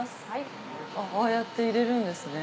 ああやって入れるんですね。